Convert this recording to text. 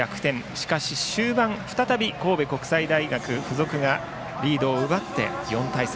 しかし、終盤再び神戸国際大付属がリードを奪って４対３。